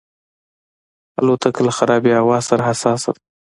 الوتکه له خرابې هوا سره حساسه ده.